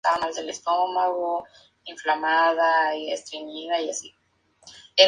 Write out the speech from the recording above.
Muchas veces florecen varias veces al año.